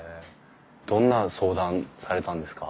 どんな相談されたんですか？